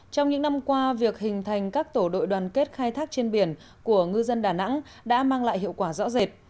trong những năm qua việc hình thành các tổ đội đoàn kết khai thác trên biển của ngư dân đà nẵng đã mang lại hiệu quả rõ rệt